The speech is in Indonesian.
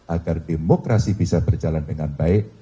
agar demokrasi bisa berjalan dengan baik